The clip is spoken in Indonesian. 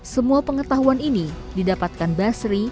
semua pengetahuan ini didapatkan basri